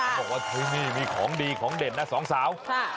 บอกว่าที่นี่มีของดีของเด่นนะสองสาว